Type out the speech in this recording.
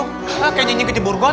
hah kayak nyinyin ke jeburgot